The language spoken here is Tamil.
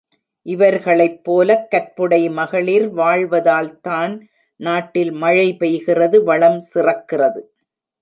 இவர்களைப் போலக் கற்புடை மகளிர் வாழ் வதால்தான் நாட்டில் மழை பெய்கிறது வளம் சிறக்கிறது.